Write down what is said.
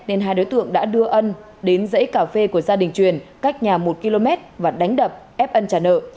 nên hai đối tượng đã đưa ân đến dãy cà phê của gia đình truyền cách nhà một km và đánh đập ép ân trả nợ